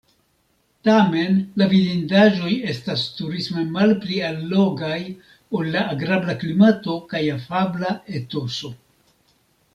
Tamen la vidindaĵoj estas turisme malpli allogaj ol la agrabla klimato kaj afabla etoso.